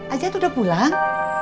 ajat udah pulang